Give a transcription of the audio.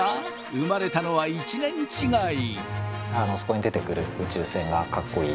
生まれたのは１年違い。